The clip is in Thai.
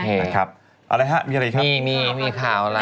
เอาเลยค่ะมีอะไรครับมีมีข่าวอะไร